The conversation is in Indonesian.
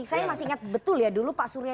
saya masih ingat betul ya